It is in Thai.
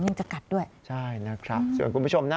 นึงจะกัดด้วย